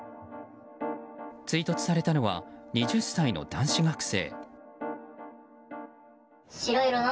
追突されたのは２０歳の男子学生。